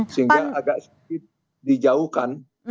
sehingga agak sedikit dijauhkan